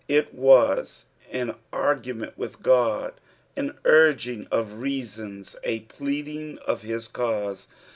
It was tn argument with Ood, an urging of reasons, a pleading of hia cause.